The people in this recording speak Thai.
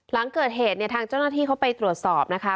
หลังเกิดเหตุเนี่ยทางเจ้าหน้าที่เขาไปตรวจสอบนะคะ